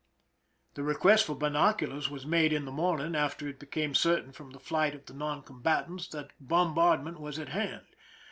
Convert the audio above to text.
The request for binoculars was made in the morning, after it became certain from the flight of the non combatants that bombardment was at hand.